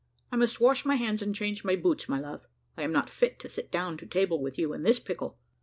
I must wash my hands and change my boots, my love; I am not fit to sit down to table with you in this pickle.